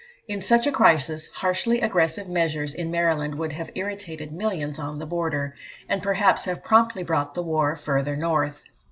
In such a crisis harshly aggressive measures in Maryland would have irritated millions on the border, and perhaps have promptly brought the war further north.